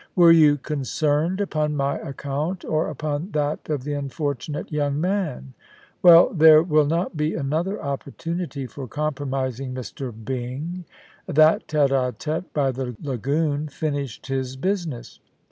Were you concerned upon my account or upon that of the unfortunate young man ? Well, there will not be another opportunity for compromising Mr. B)mg. That tite d tcfe by the lagoon finished his business.